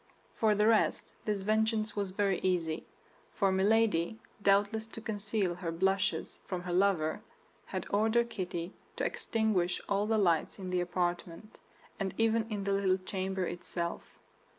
For the rest this vengeance was very easy; for Milady, doubtless to conceal her blushes from her lover, had ordered Kitty to extinguish all the lights in the apartment, and even in the little chamber itself.